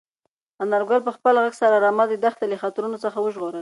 انارګل په خپل غږ سره رمه د دښتې له خطرونو څخه وژغورله.